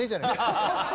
アハハハ。